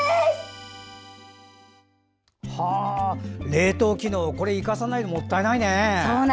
冷凍機能も生かさないともったいないね。